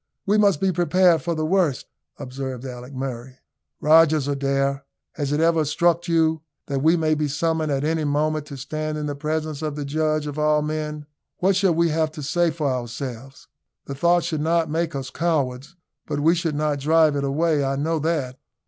"We must be prepared for the worst," observed Alick Murray. "Rogers, Adair, has it ever struck you that we maybe summoned at any moment to stand in the presence of the Judge of all men? What shall we have to say for ourselves? The thought should not make us cowards, but we should not drive it away I know that."